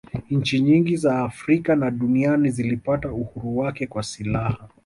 nchi nyingi za afrika na duniani zilipata uhuru wake kwa silaha